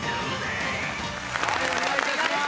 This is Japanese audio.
お願い致します。